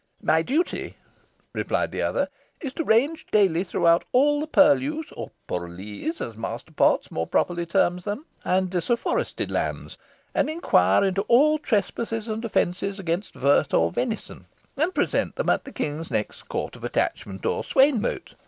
"My duty," replied the other, "is to range daily throughout all the purlieus, or pourallees, as Master Potts more properly terms them, and disafforested lands, and inquire into all trespasses and offences against vert or venison, and present them at the king's next court of attachment or swainmote.